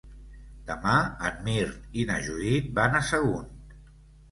Demà en Mirt i na Judit van a Sagunt.